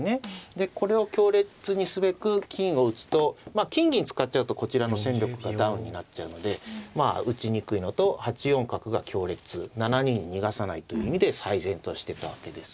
でこれを強烈にすべく金を打つとまあ金銀使っちゃうとこちらの戦力がダウンになっちゃうのでまあ打ちにくいのと８四角が強烈７二に逃がさないという意味で最善としてたわけです。